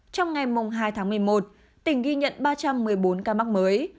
trong ngày hai tháng một mươi một tỉnh ghi nhận ba trăm một mươi bốn ca mắc mới